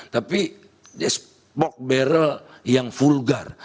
tapi just pork barrel yang vulgar